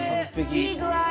いい具合。